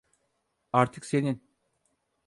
Artık senin.